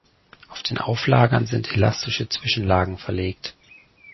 Auf den Auflagern sind elastische Zwischenlagen verlegt.